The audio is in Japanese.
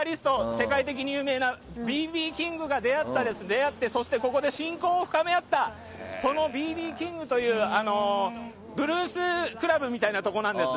世界的に有名なＢ．Ｂ．キングが出会ってここで親交を深め合ったそのＢ．Ｂ．キングというブルース・クラブみたいなところです。